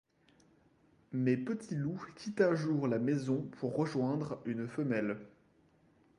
Mais Petit Loup quitte un jour la maison pour rejoindre une femelle.